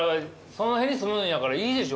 その辺に住むんやからいいでしょ。